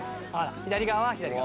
左側は左側。